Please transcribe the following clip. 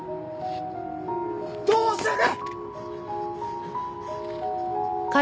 どうする！？